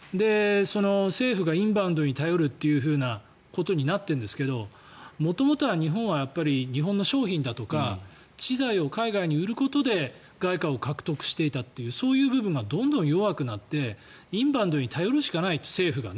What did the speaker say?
政府がインバウンドに頼るというふうなことになっているんですけど元々は日本は日本の商品だとか知財を海外に売ることで外貨を獲得していたという部分がどんどん弱くなってインバウンドに頼るしかない政府が。